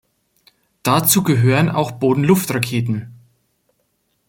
Dazu gehören auch Boden-Luft-Raketen.